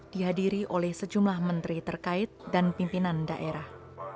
dihadiri oleh sejumlah menteri terkait dan pimpinan daerah